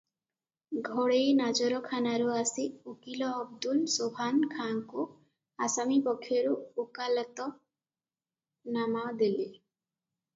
ଘଡ଼େଇ ନାଜରଖାନାରୁ ଆସି ଉକୀଲ ଅବଦୁଲ ଶୋଭାନ ଖାଁଙ୍କୁ ଆସାମୀ ପକ୍ଷରୁ ଉକାଲତନାମା ଦେଲେ ।